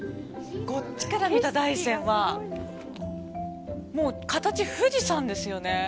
こっちから見た大山は形、富士山ですよね。